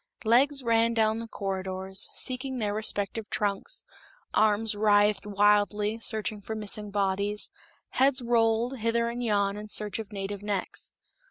Legs ran down the corridors, seeking their respective trunks, arms writhed wildly reaching for missing bodies, heads rolled hither and yon in search of native necks.